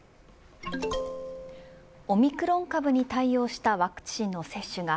オミクロン株に対応したワクチンの接種が